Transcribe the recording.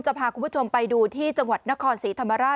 พาคุณผู้ชมไปดูที่จังหวัดนครศรีธรรมราช